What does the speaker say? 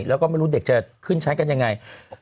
แล้วก็ไม่รู้เด็กจะขึ้นชั้นกันยังไง